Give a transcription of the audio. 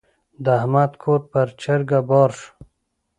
د احمد کور پر چرګه بار شو.